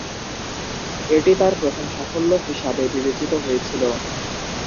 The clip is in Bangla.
এটি তার প্রথম সাফল্য হিসাবে বিবেচিত হয়েছিল।